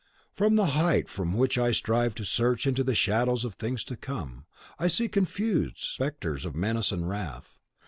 From the height from which I strive to search into the shadows of things to come, I see confused spectres of menace and wrath.